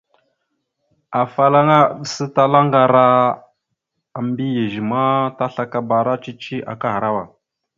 Afalaŋa aɗəsatalá ŋgar a mbiyez ma, taslakabara cici akahərawa.